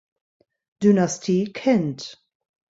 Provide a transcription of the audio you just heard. Dynastie kennt.